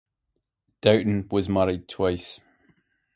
Doughton was married twice.